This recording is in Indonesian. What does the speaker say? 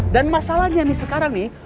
dan masalahnya nih sekarang nih